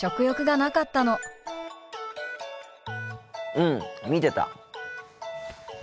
うん見てた。